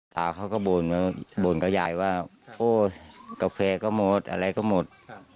ตาเขาก็บ่นกับยายว่าโอ้ยกาแฟก็หมดอะไรก็หมด